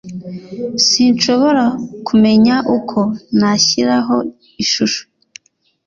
Sinshobora kumenya uko nashyiraho ishusho